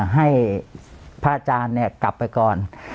ให้พระอาจารย์กลับไปก่อน